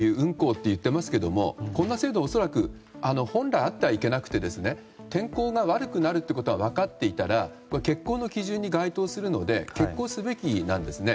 条件付き運航といっていますけどこんな制度は恐らく本来あってはいけなくて天候が悪くなることが分かっていたら欠航の基準に該当するので欠航すべきなんですね。